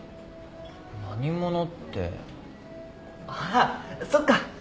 何者ってあっそっか。